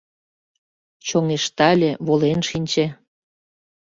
Чоҥештале, волен шинче